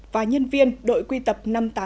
và nhân viên đội quy tập năm trăm tám mươi tám